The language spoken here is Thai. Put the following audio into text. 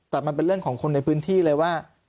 แต่มันเป็นเรื่องของคนในพื้นที่เลยว่า